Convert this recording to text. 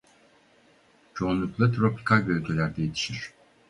Çoğunlukla tropikal bölgelerde yetişir.